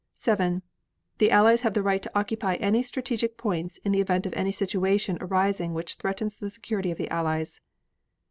7. The Allies to have the right to occupy any strategic points in the event of any situation arising which threatens the security of the Allies.